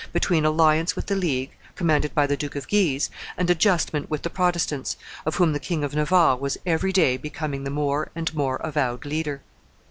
between alliance with the League, commanded by the Duke of Guise, and adjustment with the Protestants, of whom the King of Navarre was every day becoming the more and more avowed leader.